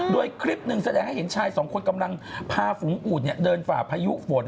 โดยคลิปหนึ่งแสดงให้เห็นชายสองคนกำลังพาฝูงอูดเดินฝ่าพายุฝน